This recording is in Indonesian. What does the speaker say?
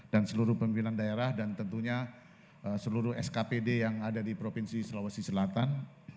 dan seluruh pemimpinan daerah dan tentunya seluruh skpd yang ada di provinsi sulawesi selatan